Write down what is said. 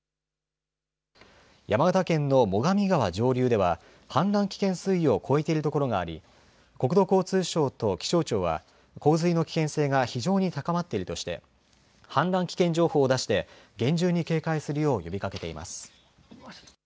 山形県の最上川上流では氾濫危険水位を超えている所があり国土交通省と気象庁は洪水の危険性が非常に高まっているとして氾濫危険情報を出して厳重に警戒するよう呼びかけています。